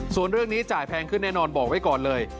ส่วนเรื่องนี้จ่ายแพงขึ้นแน่นอนบอกไว้ก่อนเลย